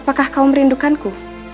apakah kau merindukanku